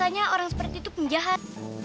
rasanya orang seperti itu penjahat